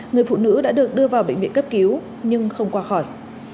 người phụ nữ đã được đưa vào bệnh viện cấp cứu nhưng không qua khỏi